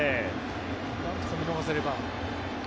なんとか見逃せれば。